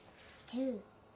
１０。